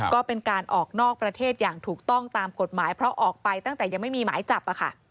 ก็เป็นการออกนอกประเทศอย่างถูกต้องตามกฎหมายเพราะออกไปตั้งแต่ยังไม่มีหมายจับ